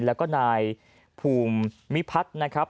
แล้วก็นายภูมิพัฒน์นะครับ